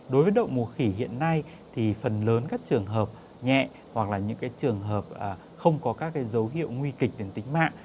đối với đậu mùa khỉ hiện nay thì phần lớn các trường hợp nhẹ hoặc là những trường hợp không có các dấu hiệu nguy kịch đến tính mạng